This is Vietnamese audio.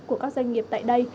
của các doanh nghiệp tại đây